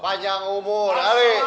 panjang umur awih